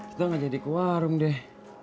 ya kita gak jadi ke warung deh